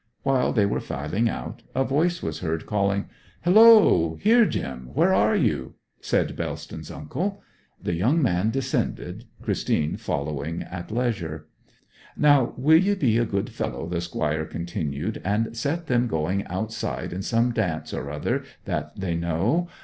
While they were filing out, a voice was heard calling 'Hullo! here, Jim; where are you?' said Bellston's uncle. The young man descended, Christine following at leisure. 'Now will ye be a good fellow,' the Squire continued, 'and set them going outside in some dance or other that they know?